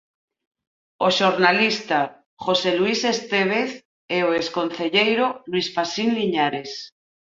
O xornalista José Luís Estévez e o ex concelleiro Luís Pasín Liñares.